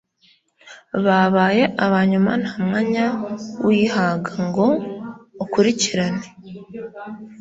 babaye aba nyuma nta mwanya wihaga ngo ukurikirane